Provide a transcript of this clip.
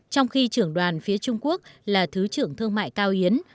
trong khi trưởng đoàn phía trung quốc là thứ trưởng thương mại cao yến